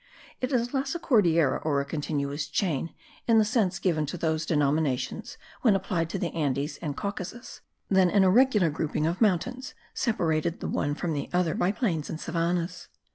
It is less a Cordillera or a continuous chain in the sense given to those denominations when applied to the Andes and Caucasus than an irregular grouping of mountains separated the one from the other by plains and savannahs.